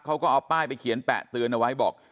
เขาก็เอาป้ายไปเขียนแปะเตือนเอาไว้บอก